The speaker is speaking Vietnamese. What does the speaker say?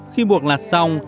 khi buộc lạt xong